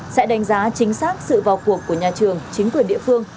sẽ đánh giá chính xác sự vào cuộc của nhà trường chính quyền địa phương